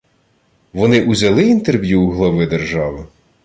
Вони узяли інтерв'ю у глави держави?